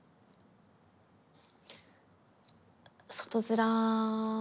外面。